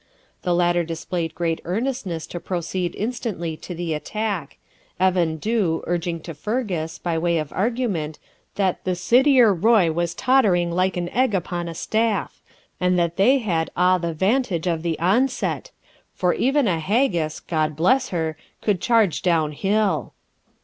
The latter displayed great earnestness to proceed instantly to the attack, Evan Dhu urging to Fergus, by way of argument, that 'the SIDIER ROY was tottering like an egg upon a staff, and that they had a' the vantage of the onset, for even a haggis (God bless her!) could charge down hill.'